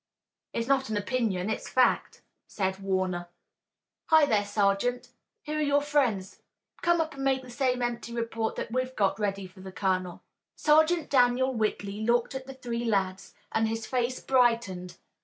"It's not an opinion. It's a fact," said Warner. "Hi, there, sergeant! Here are your friends! Come up and make the same empty report that we've got ready for the colonel." Sergeant Daniel Whitley looked at the three lads, and his face brightened.